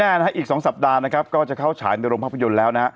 ที่แน่อีก๒สัปดาห์ก็จะเข้าฉายในโรงพักยนต์แล้ว